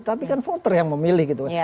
tapi kan voter yang memilih gitu kan